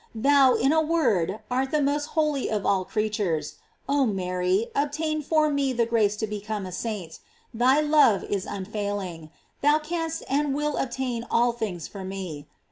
Thou, in a word, art the most holy of a?l creatures; oh Mary, obtain for me the grace to become a saint. Thy love is unfailing; thou canst and wilt obtain all things for me.